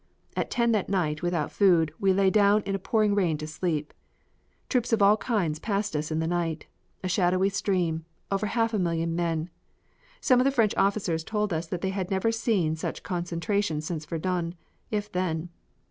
At 10 that night without food, we lay down in a pouring rain to sleep. Troops of all kinds passed us in the night a shadowy stream, over a half million men. Some French officers told us that they had never seen such concentration since Verdun, if then.